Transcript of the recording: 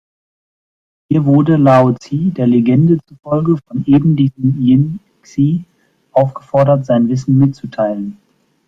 Hier wurde Laozi der Legende zufolge von ebendiesem Yin Xi aufgefordert, sein Wissen mitzuteilen.